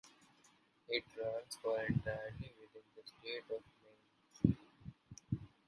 It runs for entirely within the state of Maine.